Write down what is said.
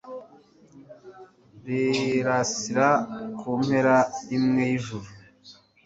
Rirasira ku mpera imwe y’ijuru